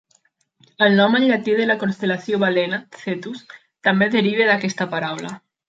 El nom en llatí de la constel·lació Balena (Cetus) també deriva d'aquesta paraula.